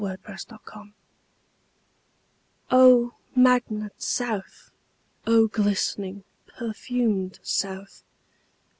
Longings for Home O MAGNET SOUTH! O glistening, perfumed South!